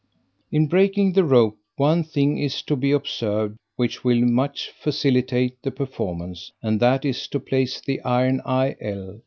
In breaking the rope one thing is to be observ'd, which will much facilitate the performance; and that is to place the iron eye L, (Fig.